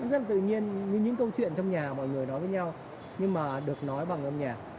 bởi vì rất là tự nhiên những câu chuyện trong nhà mọi người nói với nhau nhưng mà được nói bằng âm nhạc